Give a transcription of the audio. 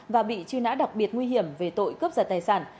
và bị truy nã đặc biệt nguy hiểm về tội cướp giật tài sản